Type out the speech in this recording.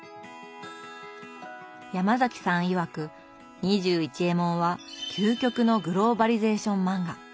ヤマザキさんいわく「２１エモン」は究極のグローバリゼーション漫画。